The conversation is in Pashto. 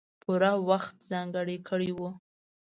پوره وخت ځانګړی کړی وو.